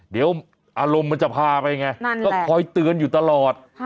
เดี๋ยวอารมณ์มันจะพาไปไงก็คอยเตือนอยู่ตลอด